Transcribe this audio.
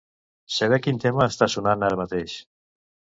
Saber quin tema està sonant ara mateix.